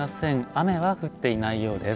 雨は降っていないようです。